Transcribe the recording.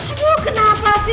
aduh kenapa sih